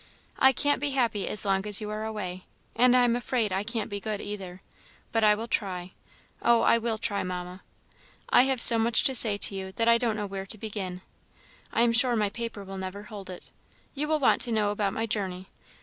I can't be happy as long as you are away, and I am afraid I can't be good either; but I will try oh, I will try, Mamma. I have so much to say to you, that I don't know where to begin. I am sure my paper will never hold it. You will want to know about my journey.